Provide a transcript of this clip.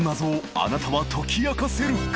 あなたは解き明かせるか？